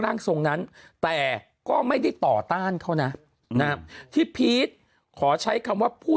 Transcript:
ร่างทรงนั้นแต่ก็ไม่ได้ต่อต้านเขานะที่พีชขอใช้คำว่าผู้